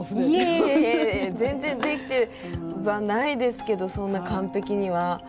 いえいえ全然できてはないですけどそんな完璧には。